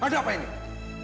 ada apa ini